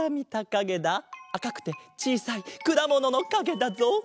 あかくてちいさいくだもののかげだぞ！